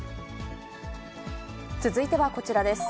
続いてはこちらです。